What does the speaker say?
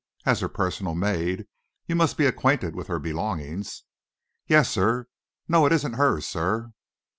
As her personal maid, you must be acquainted with her belongings." "Yes, sir. No, it isn't hers, sir."